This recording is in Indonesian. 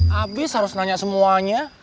habis harus nanya semuanya